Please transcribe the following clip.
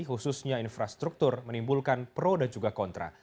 khususnya infrastruktur menimbulkan pro dan juga kontra